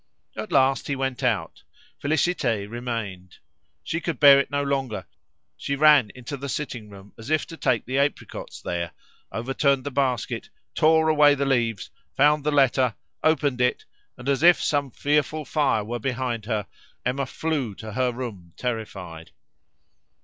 At last he went out. Félicité remained. She could bear it no longer; she ran into the sitting room as if to take the apricots there, overturned the basket, tore away the leaves, found the letter, opened it, and, as if some fearful fire were behind her, Emma flew to her room terrified.